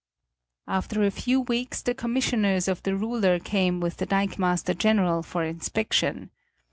After a few weeks the commissioners of the ruler came with the dikemaster general for inspection.